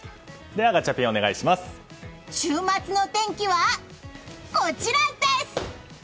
週末の天気はこちらです！